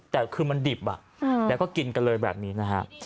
แต่คือมันดิบแล้วก็กินกันเลยแบบนี้นะฮะ